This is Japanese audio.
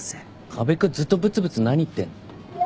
河辺君ずっとブツブツ何言ってんの？